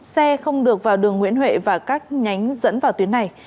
xe không được vào đường nguyễn huệ và các nhánh dẫn vào tuyến này